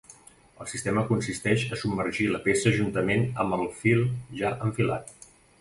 El sistema consisteix a submergir la peça juntament amb el fil ja enfilat.